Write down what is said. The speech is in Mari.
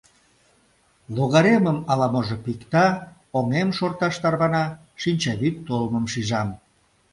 Логаремым ала-можо пикта, оҥем шорташ тарвана, шинчавӱд толмым шижам.